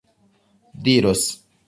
diros